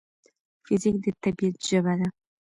فزیک د طبیعت ژبه ده.